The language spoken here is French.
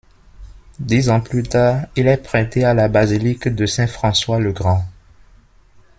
Dix ans plus tard, il est prêté à la basilique de Saint-François-le-Grand.